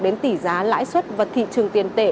đến tỷ giá lãi suất và thị trường tiền tệ